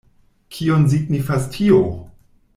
Kion signifas tio?